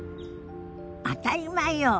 当たり前よ。